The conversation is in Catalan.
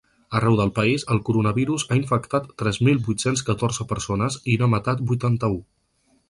Arreu del país, el coronavirus ha infectat tres mil vuit-cents catorze persones i n’ha matat vuitanta-u.